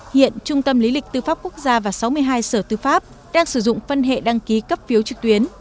hiện trung tâm lý lịch tư pháp quốc gia và sáu mươi hai sở tư pháp đang sử dụng phân hệ đăng ký cấp phiếu trực tuyến